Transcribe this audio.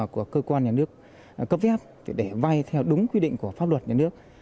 của cơ quan nhà nước cấp phép để vay theo đúng quy định của pháp luật nhà nước